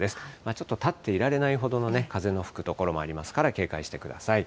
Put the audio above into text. ちょっと立っていられないほどの風の吹く所もありますから警戒してください。